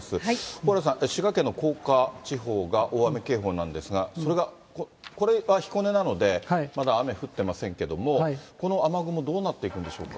蓬莱さん、滋賀県の甲賀地方が大雨警報なんですが、これは彦根なので、まだ雨降ってませんけれども、この雨雲どうなっていくんでしょうか。